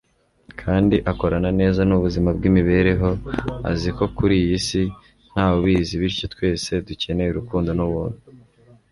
kandi akorana neza nubuzima bwimibereho, azi ko kuri iyi si ntawe ubizi bityo twese dukeneye urukundo nubuntu